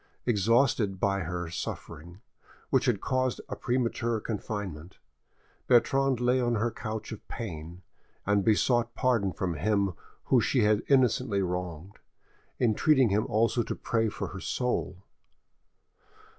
Exhausted by her suffering, which had caused a premature confinement, Bertrande lay on her couch of pain, and besought pardon from him whom she had innocently wronged, entreating him also to pray for her soul.